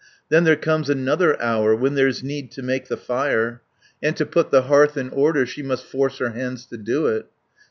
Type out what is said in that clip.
Then there comes another hour When there's need to make the fire, And to put the hearth in order, She must force her hands to do it.